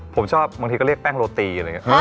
ผมชอบบางทีก็เรียกแป้งโลตี